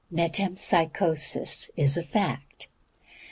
Metempsychosis is a fact.